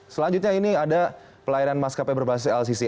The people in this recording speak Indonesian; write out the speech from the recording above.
selanjutnya ini ada pelayanan maskapai berbasis lcc